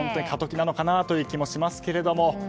過渡期なのかなという気もしますけれども。